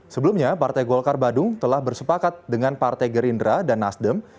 sebelumnya partai golkar badung telah bersepakat dengan partai gerindra dan nasdem